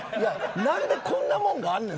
何でこんなもんがあんのよ